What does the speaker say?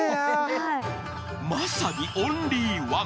まさにオンリーワン！